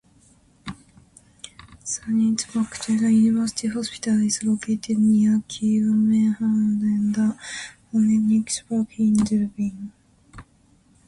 Saint Patrick's University Hospital is located near Kilmainham and the Phoenix Park in Dublin.